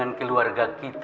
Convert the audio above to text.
aku akan gunakan waktu ini